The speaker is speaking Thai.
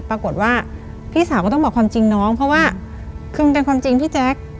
ปรากฏว่าพี่สาวก็ต้องบอกความจริงน้องเพราะว่าคือมันเป็นความจริงพี่แจ๊ค